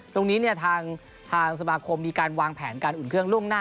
ตรงนี้ทางสมาคมมีการวางแผนการอุ่นเครื่องล่วงหน้า